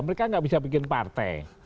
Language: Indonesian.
mereka nggak bisa bikin partai